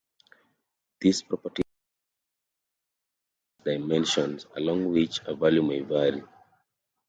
These properties may be thought of as "dimensions" along which a value may vary.